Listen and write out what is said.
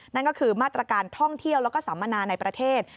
นั่นก็คือมาตรการท่องเที่ยวแล้วก็สัมมนาในประเทศ